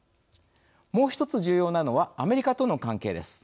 もう一つ重要なのはアメリカとの関係です。